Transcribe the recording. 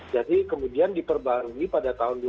jadi kemudian diperbarui pada tahun dua ribu enam belas